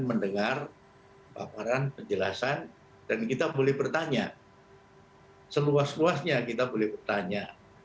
mendengar paparan penjelasan dan kita boleh bertanya seluas luasnya kita boleh bertanya